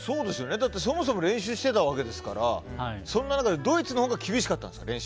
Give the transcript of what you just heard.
そもそも練習してたわけですからそんな中で、ドイツのほうが練習は厳しかったんですか？